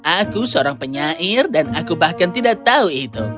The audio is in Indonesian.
aku seorang penyair dan aku bahkan tidak tahu itu